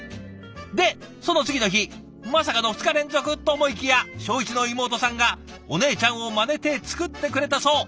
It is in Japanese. でその次の日まさかの２日連続と思いきや小１の妹さんがお姉ちゃんをまねて作ってくれたそう。